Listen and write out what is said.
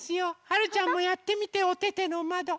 はるちゃんもやってみておててのまど。